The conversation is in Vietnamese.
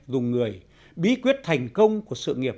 dùng người bí quyết thành công của sự nghiệp